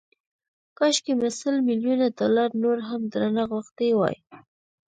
کاشکي مې سل ميليونه ډالر نور هم درنه غوښتي وای